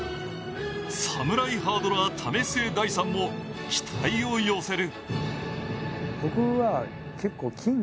侍ハードラー・為末大さんも期待を寄せる。